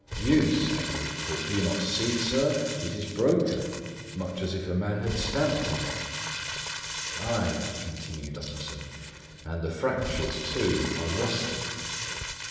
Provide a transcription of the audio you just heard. "Use!" echoed Poole. "Do you not see, sir, it is broken? much as if a man had stamped on it." "Ay," continued Utterson, "and the fractures, too, are rusty."